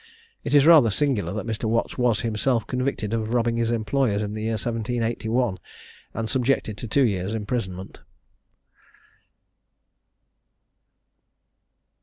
It is rather singular that Mr. Watts was himself convicted of robbing his employers in the year 1781, and subjected to two years' imprisonment.